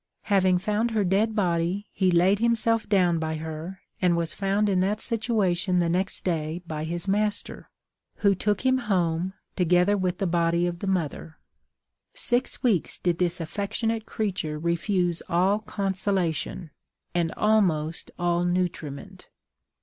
Having found her dead body, he laid himself down by her, and was found in that situation the next day by his master, who took him home, together with the body of the mother. Six weeks did this affectionate creature refuse all consolation, and almost all nutriment.